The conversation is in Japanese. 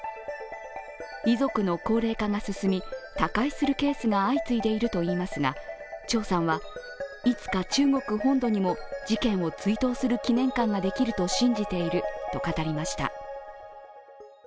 遺族の高齢化が進み、他界するケースが相次いでいるといいますが張さんは、いつか中国本土にも事件を追悼する記念館ができると信じていると語りました。